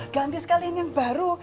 ganti sekalian yang baru